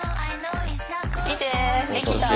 見てできた。